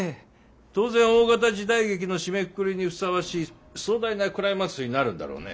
当然大型時代劇の締めくくりにふさわしい壮大なクライマックスになるんだろうね。